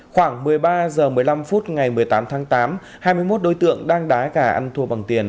khoảng một mươi ba h một mươi năm phút ngày một mươi tám tháng tám hai mươi một đối tượng đang đá gà ăn thua bằng tiền